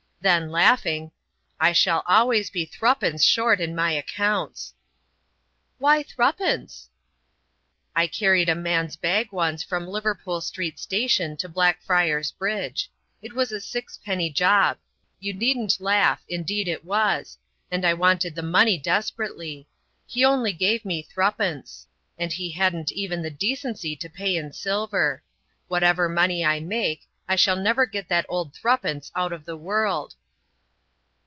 Then, laughing, "I shall always be three pence short in my accounts." "Why threepence?" "I carried a man's bag once from Liverpool Street Station to Blackfriar's Bridge. It was a sixpenny job,—you needn't laugh; indeed it was,—and I wanted the money desperately. He only gave me threepence; and he hadn't even the decency to pay in silver. Whatever money I make, I shall never get that odd threepence out of the world."